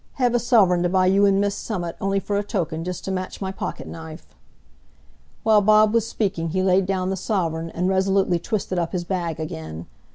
hev a suvreign to buy you and Miss summat, on'y for a token—just to match my pocket knife." While Bob was speaking he laid down the sovereign, and resolutely twisted up his bag again.